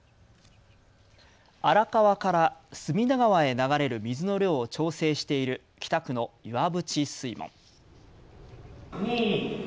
荒川から隅田川へ流れる水の量を調整している北区の岩淵水門。